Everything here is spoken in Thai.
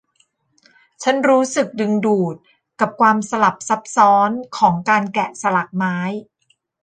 ฉันรู้สึกดึงดูดกับความสลับซับซ้อนของการแกะสลักไม้